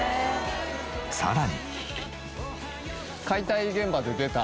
さらに。